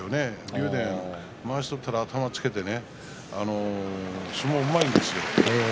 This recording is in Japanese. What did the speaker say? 竜電は、まわしを取ったら頭をつけて相撲がうまいですよ。